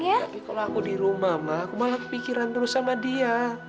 tapi kalau aku di rumah aku malah kepikiran terus sama dia